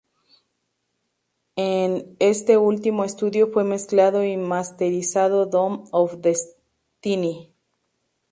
En este último estudio fue mezclado y masterizado "Doom of Destiny".